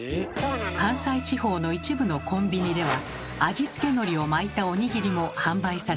関西地方の一部のコンビニでは味付けのりを巻いたおにぎりも販売されています。